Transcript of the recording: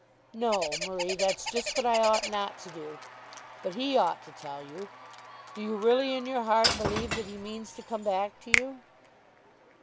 "No, Marie; that's just what I ought not to do. But he ought to tell you. Do you really in your heart believe that he means to come back to you?"